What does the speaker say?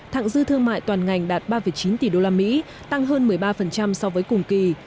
thẳng dư thương mại toàn ngành đạt ba chín tỷ usd tăng hơn một mươi ba so với cùng kỳ